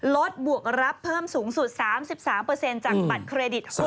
บวกรับเพิ่มสูงสุด๓๓จากบัตรเครดิต